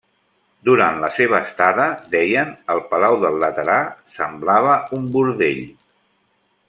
Durant la seva estada, deien, el palau del Laterà semblava un bordell.